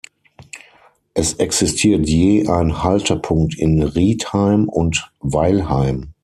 Es existiert je ein Haltepunkt in Rietheim und Weilheim.